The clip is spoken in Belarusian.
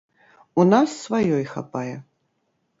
У нас сваёй хапае.